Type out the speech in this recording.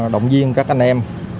động viên các anh em